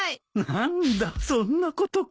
何だそんなことか。